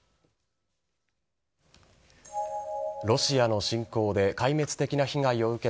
ロシアの侵攻で壊滅的な被害を受け